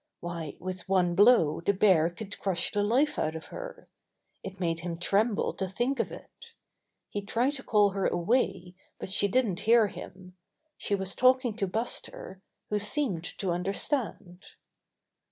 Why, with one blow the bear could crush the life out of her! It made him tremble to think of it. He tried to call her away, but she didn't hear him. She was talking to Buster, who seemed to understand.